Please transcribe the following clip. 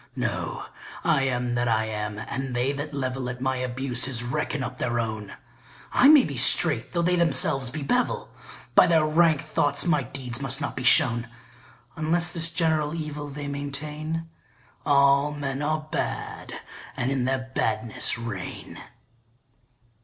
No, I am that I am, and they that level At my abuses reckon up their own: I may be straight, though they themselves be bevel; By their rank thoughts my deeds must not be shown; Unless this general evil they maintain, All men are bad, and in their badness reign.